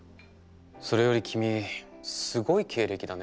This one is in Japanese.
それより君すごい経歴だね。